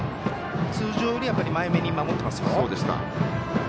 通常よりは前めに守っていますね。